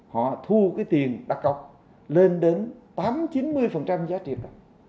họ thu cái tiền đặt cọc lên đến tám mươi chín mươi giá trị đặt cọc